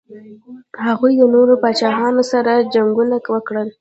هغوی د نورو پاچاهانو سره جنګونه وکړل.